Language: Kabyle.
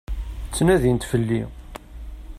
Ttnadint fell-i.